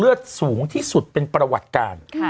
สูงที่สุดเป็นประวัติการ